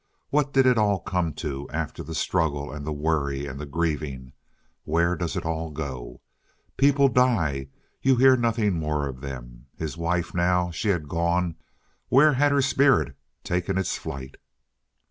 What did it all come to after the struggle, and the worry, and the grieving? Where does it all go to? People die; you hear nothing more from them. His wife, now, she had gone. Where had her spirit taken its flight?